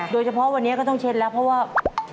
โดยเฉพาะวันนี้ก็ต้องเช็ดแล้วเพราะว่า